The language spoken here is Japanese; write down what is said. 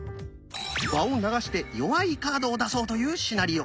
場を流して弱いカードを出そうというシナリオ。